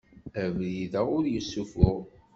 Abrid-a ur yessuffuɣ.